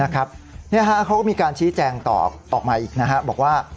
เขาก็มีการชี้แจงตอบออกมาอีกบอกว่า